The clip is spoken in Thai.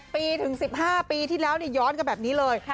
ปีถึง๑๕ปีที่แล้วย้อนกันแบบนี้เลย